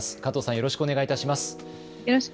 加藤さん、よろしくお願いします。